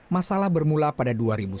masalah bermula pada dua ribu satu